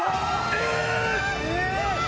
え！！